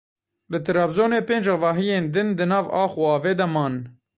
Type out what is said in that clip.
Li Trabzonê pênc avahiyên din di nav ax û avê de man.